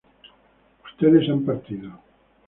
ustedes han partido